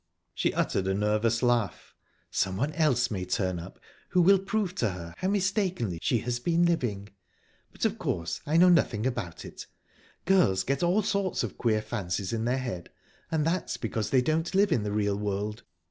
She uttered a nervous laugh. "Someone else may turn up, who will prove to her how mistakenly she has been living...But, of course, I know nothing about it. Girls get all sorts of queer fancies in their heads, and that's because they don't live in the real world."